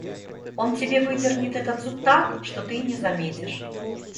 Он тебе выдернет этот зуб так, что ты и не заметишь.